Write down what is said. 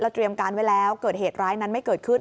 เตรียมการไว้แล้วเกิดเหตุร้ายนั้นไม่เกิดขึ้น